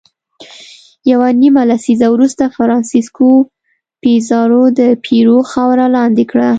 یوه نیمه لسیزه وروسته فرانسیسکو پیزارو د پیرو خاوره لاندې کړه.